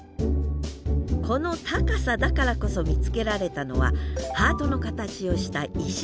この高さだからこそ見つけられたのはハートの形をした石。